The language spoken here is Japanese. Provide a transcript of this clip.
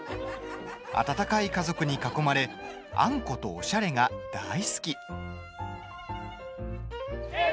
温かい家族に囲まれあんことおしゃれが大好き。